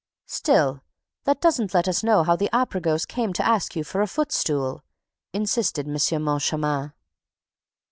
"Still, that doesn't let us know how the Opera ghost came to ask you for a footstool," insisted M. Moncharmin.